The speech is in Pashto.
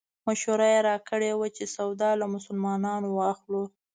مشوره یې راکړې وه چې سودا له مسلمانانو واخلو.